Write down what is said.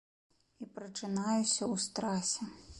І прачынаюся ў страсе.